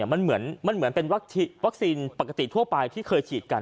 มันเหมือนเป็นวัคซีนปกติทั่วไปที่เคยฉีดกัน